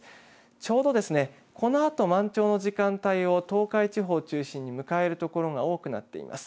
ちょうどこのあと満潮の時間帯を東海地方を中心に向かえる所が多くなっています。